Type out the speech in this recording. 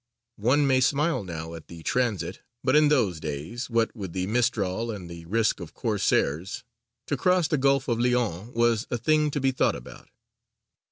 One may smile now at the transit, but in those days, what with the mistral and the risk of Corsairs, to cross the Gulf of Lyons was a thing to be thought about.